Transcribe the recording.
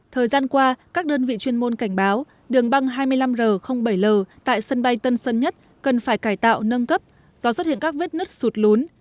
thời gian qua các đơn vị chuyên môn cảnh báo đường băng hai mươi năm r bảy l tại sân bay tân sơn nhất cần phải cải tạo nâng cấp do xuất hiện các vết nứt sụt lún